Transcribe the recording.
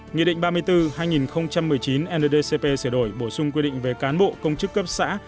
nghị định ba mươi bốn hai nghìn một mươi chín ndcp sửa đổi bổ sung quy định về cán bộ công chức cấp xã